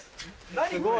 何これ。